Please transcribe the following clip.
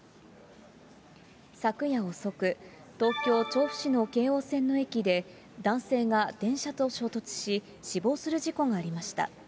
昨夜遅く、東京・調布市の京王線の駅で、男性が電車と衝突し、死亡する事故がありました。